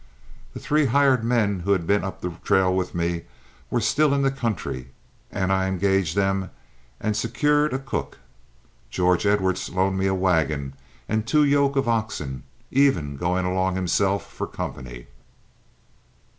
The three hired men who had been up the trail with me were still in the country, and I engaged them and secured a cook. George Edwards loaned me a wagon and two yoke of oxen, even going along himself for company.